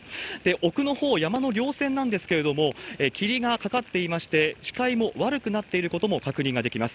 奥のほう、山の稜線なんですけれども、霧がかかっていまして、視界も悪くなっていることも確認ができます。